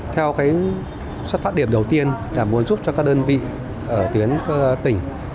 theo sát phát điểm đầu tiên muốn giúp cho các đơn vị ở tuyến tỉnh